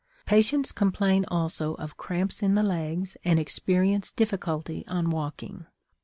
Patients complain also of cramps in the legs and experience difficulty on walking.